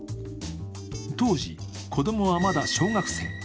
当時、子供はまだ小学生。